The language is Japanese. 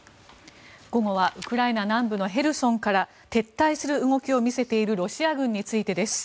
午後はウクライナ南部のヘルソンから撤退する動きを見せているロシア軍についてです。